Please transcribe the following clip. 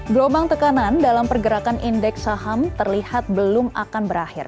gelombang tekanan dalam pergerakan indeks saham terlihat belum akan berakhir